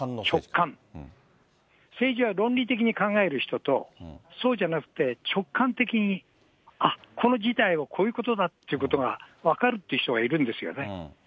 政治は論理的に考える人と、そうじゃなくて直感的にあっ、こういうことだということが分かるという人がいるんですよね。